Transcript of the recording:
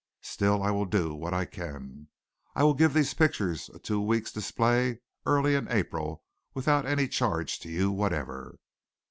Still I will do what I can. I will give these pictures a two weeks' display early in April without any charge to you whatever."